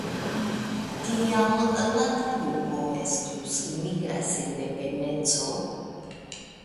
Tial la traduko estus «Nigra Sendependeco».